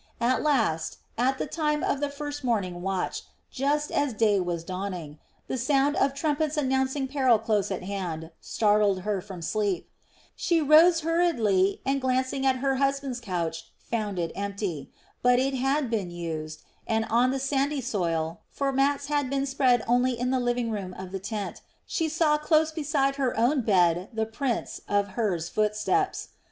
At last, at the time of the first morning watch, just as day was dawning, the sound of trumpets announcing peril close at hand, startled her from sleep. She rose hurriedly and glancing at her husband's couch found it empty. But it had been used, and on the sandy soil for mats had been spread only in the living room of the tent she saw close beside her own bed the prints of Hur's footsteps.